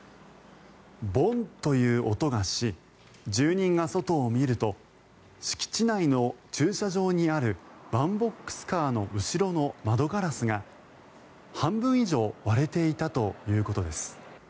ボンという音がし住人が外を見ると敷地内の駐車場にあるワンボックスカーの後ろの窓ガラスが半分以上割れていたということです。